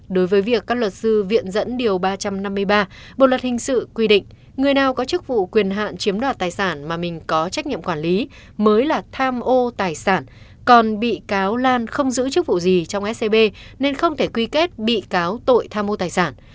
đối với việc các luật sư viện dẫn điều ba trăm năm mươi ba bộ luật hình sự quy định người nào có chức vụ quyền hạn chiếm đoạt tài sản mà mình có trách nhiệm quản lý mới là tham ô tài sản còn bị cáo lan không giữ chức vụ gì trong scb nên không thể quy kết bị cáo tội tham mô tài sản